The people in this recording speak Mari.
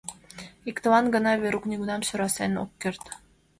Иктылан гына Верук нигунам сӧрасен ок керт.